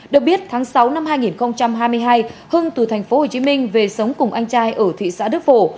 được biết tháng sáu năm hai nghìn hai mươi hai hưng từ thành phố hồ chí minh về sống cùng anh trai ở thị xã đức phổ